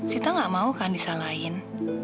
sita gak mau kan disalahin